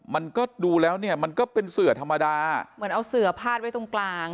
มันก็ดูแล้วเนี่ยมันก็เป็นเสือธรรมดาเหมือนเอาเสือพาดไว้ตรงกลาง